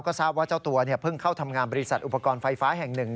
ก็ทราบว่าเจ้าตัวเพิ่งเข้าทำงานบริษัทอุปกรณ์ไฟฟ้าแห่งหนึ่ง